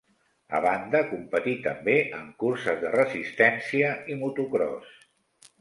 A banda, competí també en curses de resistència i motocròs.